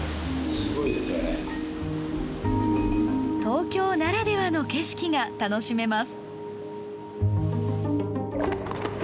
東京ならではの景色が楽しめます。